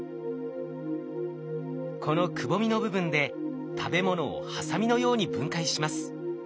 このくぼみの部分で食べ物をハサミのように分解します。